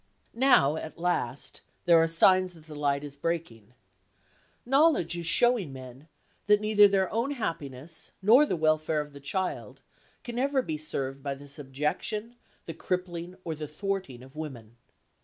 Now, at last, there are signs that the light is breaking. Knowledge is showing men that neither their own happiness nor the welfare of the child can ever be served by the subjection, the crippling or the thwarting of women.